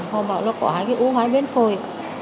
họ bảo là có hai cái ú hai cái bên khồi